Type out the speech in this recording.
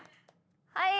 はい。